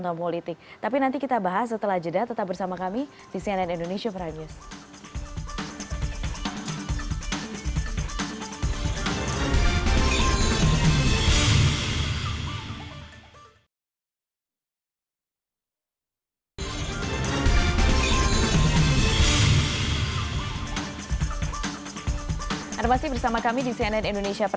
dulu kita sebut sebagai non subsidi